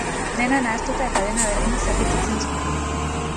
Dena nahastuta eta dena berdin zerbitzatzen zuten.